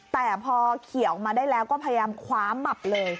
แต่พอขี่ออกมาได้แล้วก็พยายามคว้าหมับเลย